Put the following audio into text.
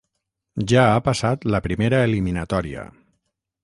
Ja ha passat la primera eliminatòria.